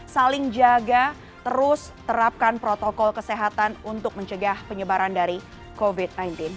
saling jaga terus terapkan protokol kesehatan untuk mencegah penyebaran dari covid sembilan belas